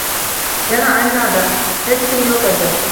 Yana alangladi. Hech kim yoʼq edi.